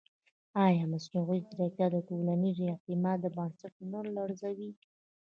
ایا مصنوعي ځیرکتیا د ټولنیز اعتماد بنسټ نه لړزوي؟